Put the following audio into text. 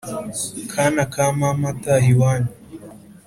Kana ka mama taha iwanyu